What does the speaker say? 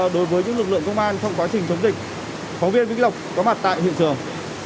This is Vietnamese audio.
đối với những lực lượng công an trong quá trình chống dịch phóng viên vĩnh lộc có mặt tại hiện trường